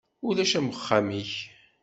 Ulac am uxxam-ik.